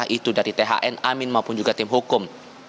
kedua belah pihak entah itu dari tkn amin maupun juga tim hukum